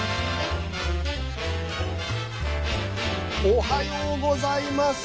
おはようございます。